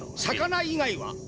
魚以外は？